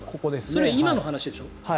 それ、今の話でしょ。